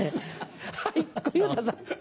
はい小遊三さん。